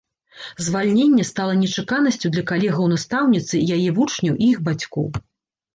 Звальненне стала нечаканасцю для калегаў настаўніцы, яе вучняў і іх бацькоў.